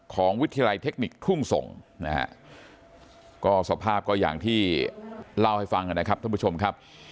วิทยาลัยเทคนิคทุ่งส่งนะฮะก็สภาพก็อย่างที่เล่าให้ฟังนะครับท่านผู้ชมครับ